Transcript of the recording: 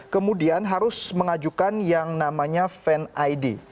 kemudian harus mengajukan yang namanya fan id